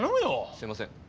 すいません。